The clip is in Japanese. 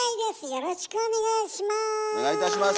よろしくお願いします。